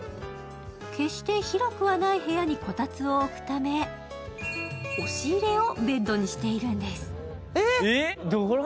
決して広くはない部屋にコタツを置くため、押し入れをベッドにしているんです。